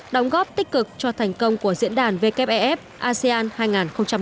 đóng góp tích cực cho thành công của diễn đàn wff asean hai nghìn một mươi tám